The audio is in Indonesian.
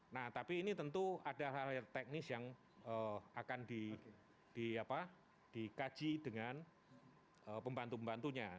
nah tapi ini tentu ada hal hal teknis yang akan dikaji dengan pembantu pembantunya